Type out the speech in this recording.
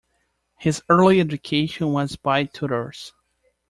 His early education was by tutors.